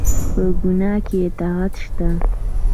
په ګناه کې اطاعت شته؟